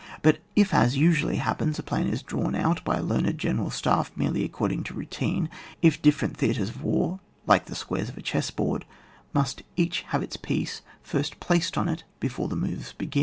But if, as usually happens, a plan is drawn out by a learned general staff, merely according to routine ; if different theatres of war, like the squares on a chessboard, must each have its piece first placed on it before the moves begin, if C3HAP.